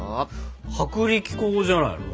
薄力粉じゃないの？